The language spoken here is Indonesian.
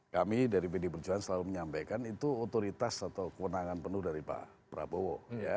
kami dari pdi perjuangan selalu menyampaikan itu otoritas atau kewenangan penuh dari pak prabowo